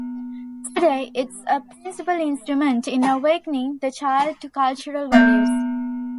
Today it is a principal instrument in awakening the child to cultural values.